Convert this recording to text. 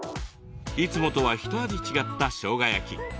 いつもとはひと味違ったしょうが焼き。